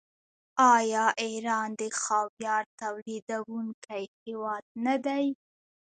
آیا ایران د خاویار تولیدونکی هیواد نه دی؟